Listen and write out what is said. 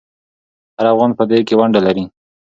هر افغان په دې کې ونډه لري.